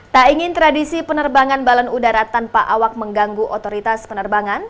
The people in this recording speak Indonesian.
tak ingin tradisi penerbangan balon udara tanpa awak mengganggu otoritas penerbangan